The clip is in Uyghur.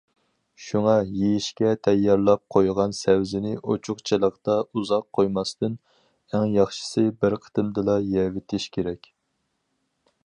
شۇڭا، يېيىشكە تەييارلاپ قويغان سەۋزىنى ئوچۇقچىلىقتا ئۇزاق قويماستىن، ئەڭ ياخشىسى بىر قېتىمدىلا يەۋېتىش كېرەك.